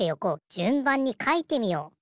じゅんばんにかいてみよう。